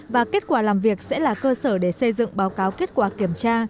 và kết quả làm việc sẽ là cơ sở để xây dựng báo cáo kết quả kiểm tra